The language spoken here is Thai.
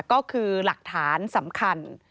ก็คือหลักฐานสำคัญ